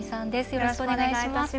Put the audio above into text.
よろしくお願いします。